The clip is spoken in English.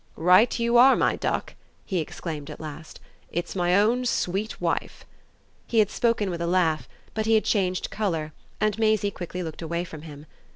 "Right you are, my duck!" he exclaimed at last. "It's my own sweet wife!" He had spoken with a laugh, but he had changed colour, and Maisie quickly looked away from him.